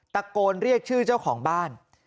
ตะโกนเรียกชื่อเจ้าของบ้าน